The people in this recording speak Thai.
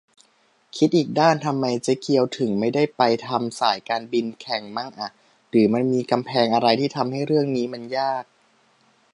คิดอีกด้าน ทำไมเจ๊เกียวถึงไม่ไปทำสายการบินแข่งมั่งอ่ะ หรือมันมีกำแพงอะไรที่ทำให้เรื่องนี้มันยาก ?